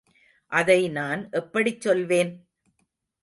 அதை நான் எப்படிச் சொல்வேன்?